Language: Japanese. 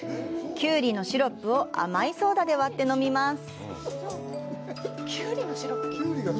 キュウリのシロップを甘いソーダで割って飲みます。